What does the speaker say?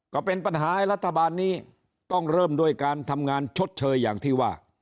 ก็เป็นปัญหาให้รัฐบาลนี้ต้องเริ่มด้วยการทำงานชดเชยอย่างที่ว่า